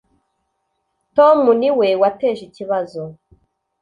Tom niwe wateje ikibazo